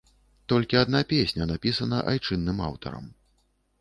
Толькі адна песня напісана айчынным аўтарам.